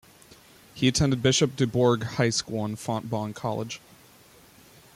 He attended Bishop DuBourg High School and Fontbonne College.